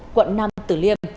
quận năm tử liêm